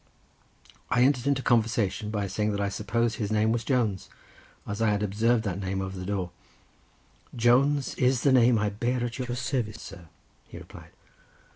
I entered into conversation by saying that I supposed his name was Jones, as I had observed that name over the door. "Jones is the name I bear at your service, sir," he replied.